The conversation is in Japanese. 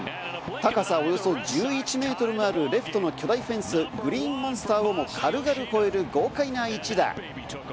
高さおよそ１１メートルもあるレフトの巨大フェンス・グリーンモンスターをも軽々越える豪快な一打。